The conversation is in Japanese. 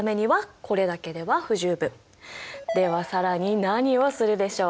では更に何をするでしょう？